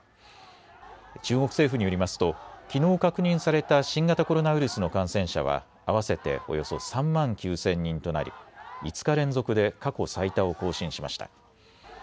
中国政府によりますときのう確認された新型コロナウイルスの感染者は合わせておよそ３万９０００人となり５日連続で過去最多を更新しました。